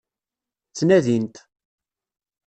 Ttnadin-t.